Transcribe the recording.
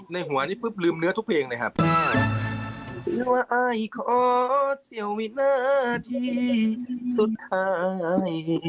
ในหัวนี้ปุ๊บลืมเนื้อทุกเพลงเลยครับ